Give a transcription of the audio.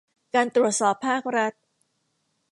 การตรวจสอบภาครัฐ